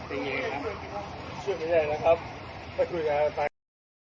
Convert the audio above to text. เมื่อ๑๙นาทีแม่งก็โดดใส่หน้าโน้น